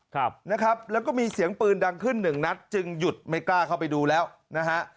ครับนะครับแล้วก็มีเสียงปืนดังขึ้นหนึ่งนัดจึงหยุดไม่กล้าเข้าไปดูแล้วนะฮะ